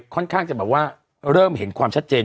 ค่อนข้างจะแบบว่าเริ่มเห็นความชัดเจน